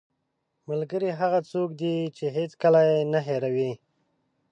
ملګری هغه څوک دی چې هېڅکله یې نه هېروې